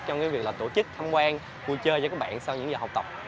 trong việc tổ chức thăm quan vui chơi cho các bạn sau những giờ học tập